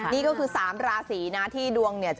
นี่ก็คือ๓ราศีนะที่ดวงเนี่ย